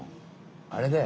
あれだよ。